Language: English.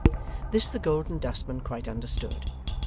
This the Golden Dustman quite understood.